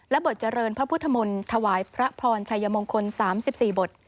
บทเจริญพระพุทธมนต์ถวายพระพรชัยมงคล๓๔บท